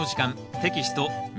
テキスト２